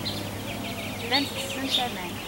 Llant tessent aman.